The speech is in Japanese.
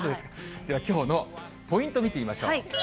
ではきょうのポイント、見てみましょう。